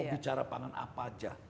bicara pangan apa aja